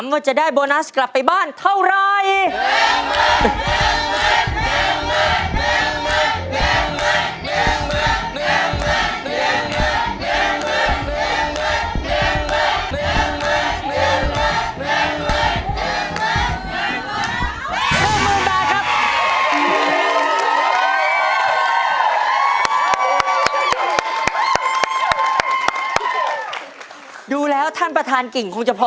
ว่าจะได้โบนัสกลับไปบ้านเท่าไร